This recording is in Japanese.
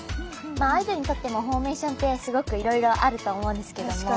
まあアイドルにとってもフォーメーションってすごくいろいろあると思うんですけども。